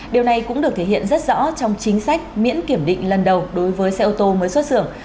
điều này cũng được thể hiện rất rõ trong chính sách miễn kiểm định lần đầu đối với xe ô tô mới xuất xưởng